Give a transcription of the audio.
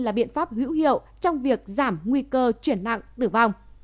là biện pháp hữu hiệu trong việc giảm nguy cơ chuyển nặng tử vong